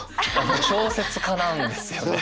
小説家なんですよね。